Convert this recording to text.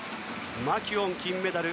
マキュオンが金メダル。